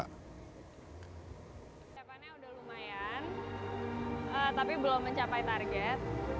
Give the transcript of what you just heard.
persiapannya udah lumayan tapi belum mencapai target